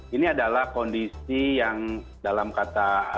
ini adalah kondisi yang dalam kata